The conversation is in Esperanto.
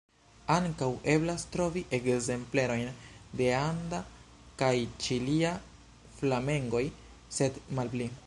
Ankaŭ eblas trovi ekzemplerojn de anda kaj ĉilia flamengoj, sed malpli.